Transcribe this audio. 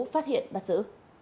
phát hiện bắt giữ